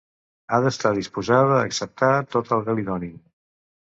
Ha d'estar disposada a acceptar tot el que li donin.